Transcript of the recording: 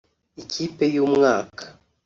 Ikipe y’umwaka